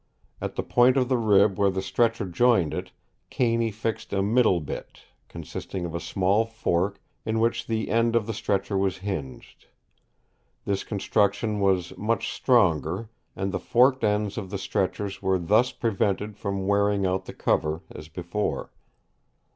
At the point of the rib where the stretcher joined it, Caney fixed a middle bit, consisting of a small fork, in which the end of the stretcher was hinged. This construction was much stronger, and the forked ends of the stretchers were thus prevented from wearing out the cover, as before.